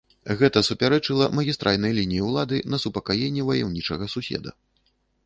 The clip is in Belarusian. Гэта супярэчыла магістральнай лініі ўлады на супакаенне ваяўнічага суседа.